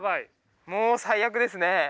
もう最悪ですね。